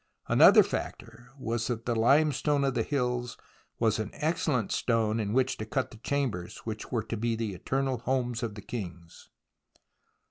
Another factor was that the Hmestone of the hills was an excellent stone in which to cut the chambers which were to be the eternal homes of the kings.